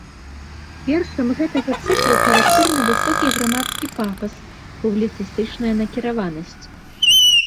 Вершам гэтага цыклу характэрны высокі грамадскі пафас, публіцыстычная накіраванасць.